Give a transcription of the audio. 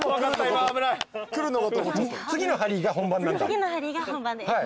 次の「ハリー」が本番です。